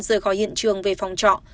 rời khỏi hiện trường về phòng trọ